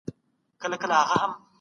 دا هغه کليسا ده چي په مذهب حاکمه وه.